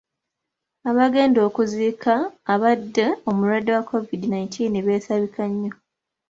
Abagenda okuziika abadde omulwadde wa COVID nineteen beesabika nnyo.